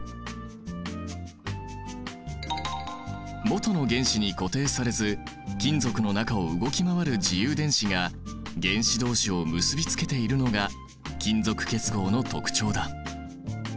もとの原子に固定されず金属の中を動き回る自由電子が原子どうしを結びつけているのが金属結合の特徴だ。